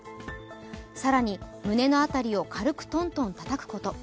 更に、胸の辺りを軽くトントンたたくこと。